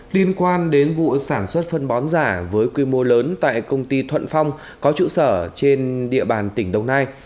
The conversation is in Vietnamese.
liên quan đến vụ sản xuất phân bón giả với quy mô lớn tại công ty thuận phong có trụ sở trên địa bàn tỉnh đồng nai